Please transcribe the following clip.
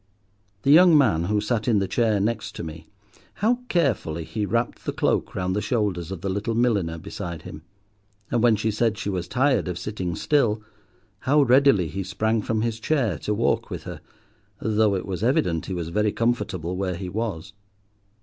The young man who sat in the chair next to me, how carefully he wrapped the cloak round the shoulders of the little milliner beside him. And when she said she was tired of sitting still, how readily he sprang from his chair to walk with her, though it was evident he was very comfortable where he was.